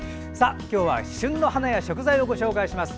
今日は旬の花や食材をご紹介します。